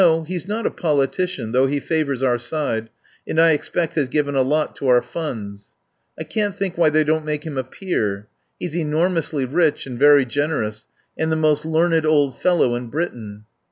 He's not a politician, though he favours our side, and I expect has given a lot to our funds. I can't think why they don't make him a Peer. He's enormously rich and very generous, and the most learned old fellow in Britain.